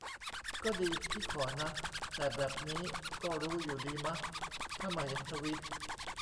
ก็ดีที่ขอนะ แต่แบบนี้ก็รู้อยู่ดีมะ ถ้ามาเห็นทวีต